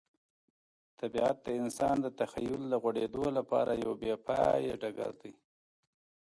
طبیعت د انسان د تخیل د غوړېدو لپاره یو بې پایه ډګر دی.